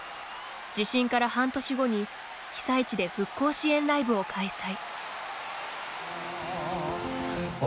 地震から半年後に被災地で復興支援ライブを開催。